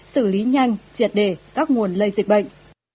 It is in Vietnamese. xử lý nhanh triệt đề các nguồn lây dịch bệnh